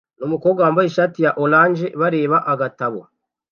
numukobwa wambaye ishati ya orange bareba agatabo